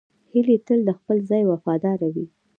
هیلۍ تل د خپل ځای وفاداره وي